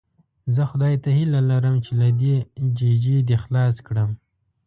زه خدای ته هیله لرم چې له دې ججې دې خلاص کړم.